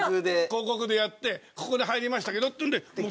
広告でやってここに入りましたけどっていうんで。